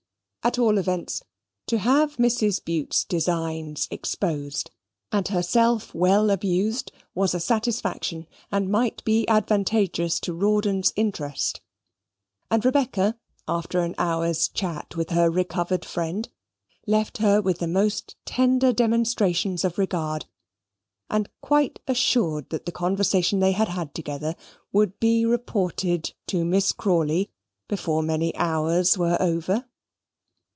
At all events, to have Mrs. Bute's designs exposed, and herself well abused, was a satisfaction, and might be advantageous to Rawdon's interest; and Rebecca, after an hour's chat with her recovered friend, left her with the most tender demonstrations of regard, and quite assured that the conversation they had had together would be reported to Miss Crawley before many hours were over.